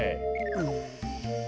うん。